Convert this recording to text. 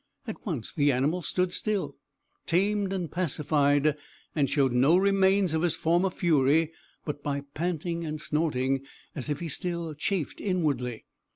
At once the animal stood still, tamed and pacified, and showed no remains of his former fury but by panting and snorting, as if he still chafed inwardly.